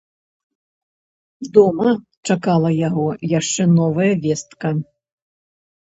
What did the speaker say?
Дома чакала яго яшчэ новая вестка.